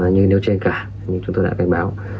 nhưng nếu trên cả như chúng tôi đã cảnh báo